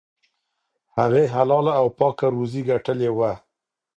هغې حلاله او پاکه روزي ګټلې وه.